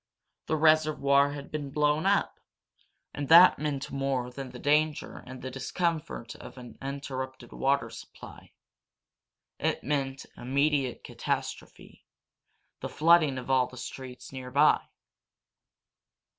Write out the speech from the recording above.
The reservoir had been blown up! And that meant more than the danger and the discomfort of an interrupted water supply. It meant an immediate catastrophe the flooding of all the streets nearby.